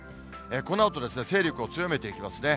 このあと、勢力を強めていきますね。